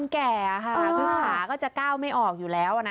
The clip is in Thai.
แก่ค่ะคือขาก็จะก้าวไม่ออกอยู่แล้วนะ